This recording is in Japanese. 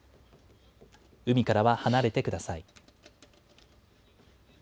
海からは離れてください。